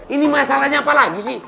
ini masalahnya apa lagi sih